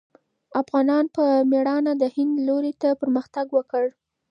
افغانانو په مېړانه د هند لوري ته پرمختګ وکړ.